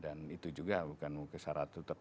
dan itu juga bukan kesaratan